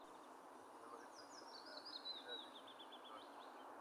Tras jugar varios años en la partida de En Garde!